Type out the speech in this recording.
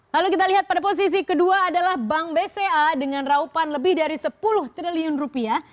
lalu kita lihat pada posisi kedua adalah bank bca dengan raupan lebih dari sepuluh triliun rupiah